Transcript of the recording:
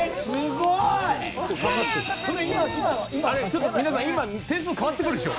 ちょっと皆さん今点数変わってくるでしょ？